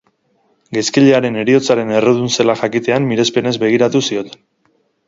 Gaizkilearen heriotzaren errudun zela jakitean, mirespenez begiratu zioten.